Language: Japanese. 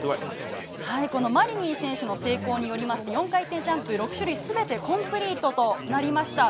このマリニン選手の成功によりまして、４回転ジャンプ、６種類すべてコンプリートとなりました。